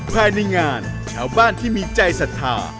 ภายในงานชาวบ้านที่มีใจศรัทธา